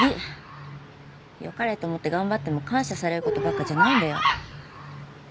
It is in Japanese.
良かれと思って頑張っても感謝される事ばっかじゃないんだよ。